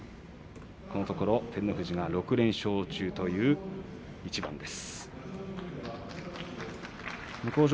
このところ横綱照ノ富士６連勝中という両者です。